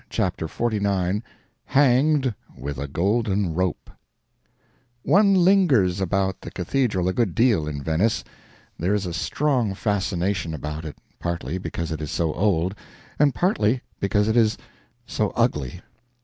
CHAPTER XLIX [Hanged with a Golden Rope] One lingers about the Cathedral a good deal, in Venice. There is a strong fascination about it partly because it is so old, and partly because it is so ugly.